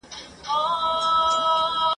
تاته به در پاته زما خیالونه زما یادونه وي ..